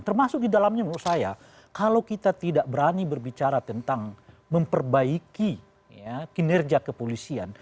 termasuk di dalamnya menurut saya kalau kita tidak berani berbicara tentang memperbaiki kinerja kepolisian